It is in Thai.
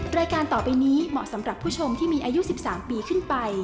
รายการต่อไปนี้เหมาะสำหรับผู้ชมที่มีอายุ๑๓ปีขึ้นไป